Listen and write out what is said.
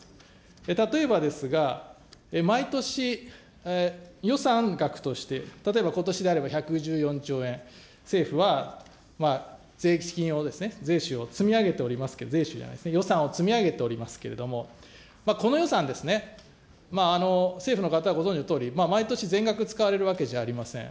例えばですが、毎年、予算額として、例えばことしであれば１１４兆円、政府は税金を、税収を積み上げておりますけれども、税収じゃないですね、予算を積み上げておりますけれども、この予算、政府の方ご存じのとおり、毎年、全額使われるわけじゃありません。